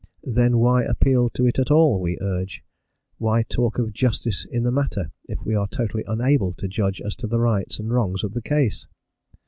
"Then why appeal to it at all?" we urge; "why talk of justice in the matter if we are totally unable to judge as to the rights and wrongs of the case?"